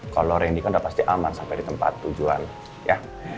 kalau rendy kan udah pasti aman sampai di tempat tujuan ya